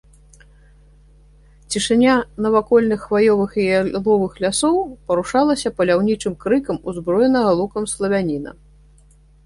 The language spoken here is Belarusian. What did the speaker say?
Цішыня навакольных хваёвых і яловых лясоў парушалася паляўнічым крыкам узброенага лукам славяніна.